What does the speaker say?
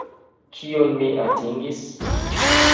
Kion mi atingis?